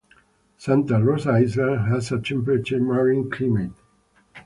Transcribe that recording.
Santa Rosa Island has a temperate marine climate.